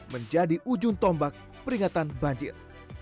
menjadi ujung tombak peringatan banjir